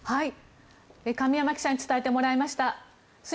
神山記者に伝えてもらいました。